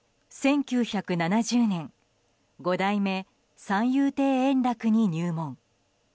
１９７０年五代目・三遊亭圓楽に入門。